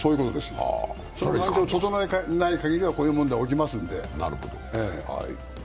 その環境を整えないかぎり、こういうことは起きますから。